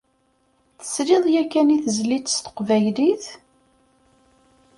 Tesliḍ yakan i tezlit s teqbaylit?